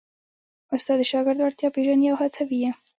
استاد د شاګرد وړتیا پېژني او هڅوي یې.